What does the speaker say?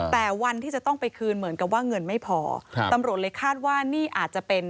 แต่วันที่จะต้องไปคืนเหมือนกับว่าเงินไม่พอครับตำรวจเลยคาดว่านี่อาจจะเป็น